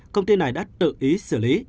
công ty này đã tự ý xử lý